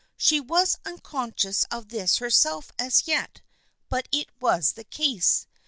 She was unconscious of this herself as yet, but it was the case.